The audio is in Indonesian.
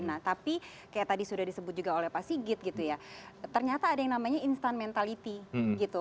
nah tapi kayak tadi sudah disebut juga oleh pak sigit gitu ya ternyata ada yang namanya instant mentality gitu